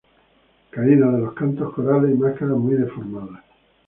Caída de los cantos corales y máscaras muy deformadas.